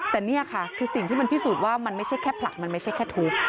แต่นี่ค่ะคือสิ่งที่มันพิสูจน์ว่ามันไม่ใช่แค่ผลักมันไม่ใช่แค่ทุบ